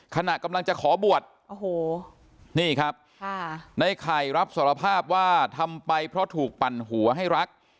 ขณะกำลังจะขอบวชโอ้โหนี่ครับในไข่รับสารภาพว่าทำไปเพราะถูกปั่นหัวให้รัก